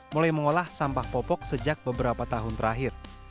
mulai mengolah sampah popok sejak beberapa tahun terakhir